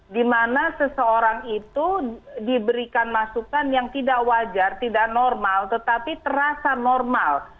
dimana seseorang itu diberikan masukan yang tidak wajar tidak normal tetapi terasa normal